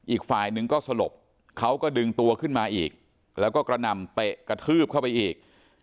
อีกฝ่ายหนึ่งก็สลบเขาก็ดึงตัวขึ้นมาอีกแล้วก็กระหน่ำเตะกระทืบเข้าไปอีก